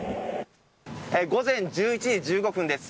午前１１時１５分です。